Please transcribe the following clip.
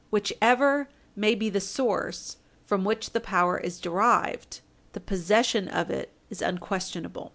Whichever may be the source from which the power is derived, the possession of it is unquestionable."